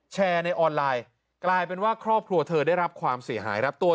แชร์ในออนไลน์กลายเป็นว่าครอบครัวเธอได้รับความเสียหายรับตัว